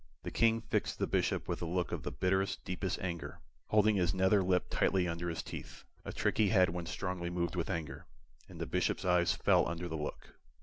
The King fixed the Bishop with a look of the bitterest, deepest anger, holding his nether lip tightly under his teeth a trick he had when strongly moved with anger and the Bishop's eyes fell under the look.